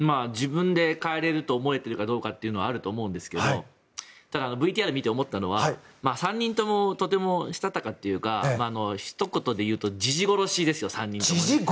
自分で変えれると思えてるかどうかというのはあると思うんですけどＶＴＲを見て思ったのは３人ともとてもしたたかというかひと言でいうとジジ殺しですよ。